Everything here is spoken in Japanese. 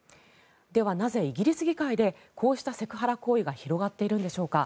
では、なぜイギリス議会でこうしたセクハラ行為が広がっているんでしょうか。